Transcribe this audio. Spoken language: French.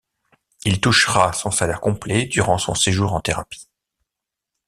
Il touchera son salaire complet durant son séjour en thérapie.